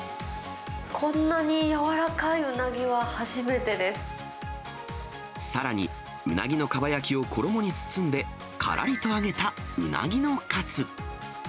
こんなに軟らかいうなぎは初さらに、うなぎのかば焼きを衣に包んで、からりと揚げたうなぎのカツ。